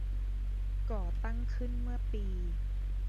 ก่อตั้งขึ้นเมื่อปี